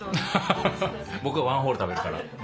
僕がワンホール食べるから。